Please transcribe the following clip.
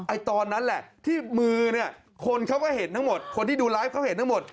ตอนนั้นแหละที่มือเนี่ยคนเขาก็เห็นทั้งหมดคนที่ดูไลฟ์เขาเห็นทั้งหมด